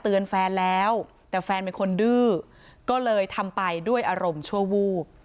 แฟนแล้วแต่แฟนเป็นคนดื้อก็เลยทำไปด้วยอารมณ์ชั่ววูบ